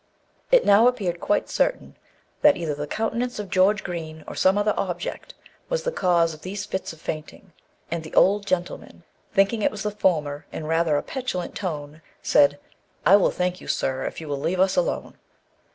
It now appeared quite certain, that either the countenance of George Green, or some other object, was the cause of these fits of fainting; and the old gentleman, thinking it was the former, in rather a petulant tone said, "I will thank you, sir, if you will leave us alone."